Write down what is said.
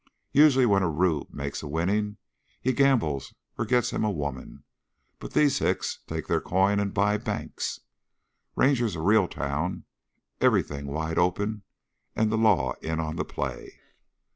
Usually when a rube makes a winning he gambles or gets him a woman, but these hicks take their coin and buy banks.... Ranger's a real town; everything wide open and the law in on the play.